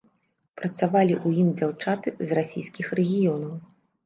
Працавалі ў ім дзяўчаты з расійскіх рэгіёнаў.